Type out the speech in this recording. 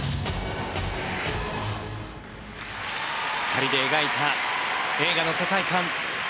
２人で描いた映画の世界観。